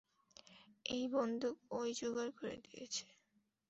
এই বন্দুক ওই যোগাড় করে দিয়েছে।